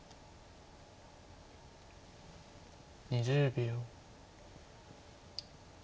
２０秒。